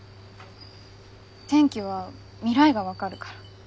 天気は未来が分かるから。